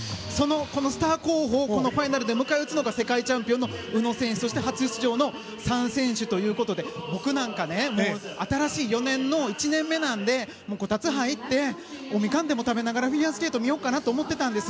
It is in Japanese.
このスター候補をファイナルで迎え撃つのが世界王者の宇野選手そして初出場の３選手で僕なんか新しい４年の１年目なんでこたつ入ってミカンでも食べながらフィギュアスケートを見ようと思ってたんです。